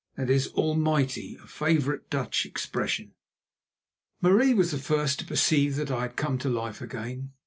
_ that is "Almighty," a favourite Dutch expression. Marie was the first to perceive that I had come to life again.